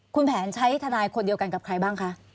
คุณแผนใช้ทนายคนเดียวกันกับใครบ้างคะ